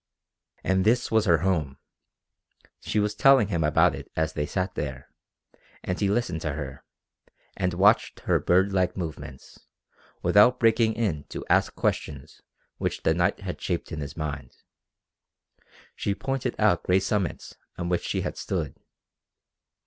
And this was her home! She was telling him about it as they sat there, and he listened to her, and watched her bird like movements, without breaking in to ask questions which the night had shaped in his mind. She pointed out gray summits on which she had stood.